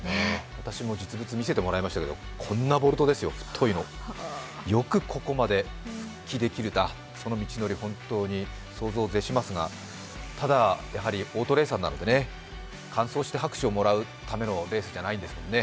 私も実物を見せてもらいましたけど、こんなボルトですよ、太いの、よくここまで復帰できれた、その道のり、本当に想像を絶しますが、ただ、やはりオートレーサーなので完走して拍手してもらうためのレースじゃないんですよね。